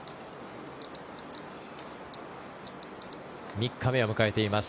３日目を迎えています。